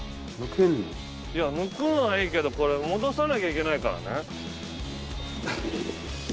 抜くのはいいけどこれ戻さなきゃいけないからね。